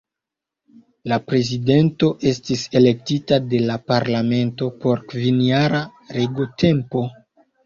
La Prezidento estis elektita de la Parlamento por kvinjara regotempo.